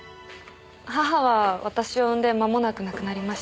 母は私を産んで間もなく亡くなりました。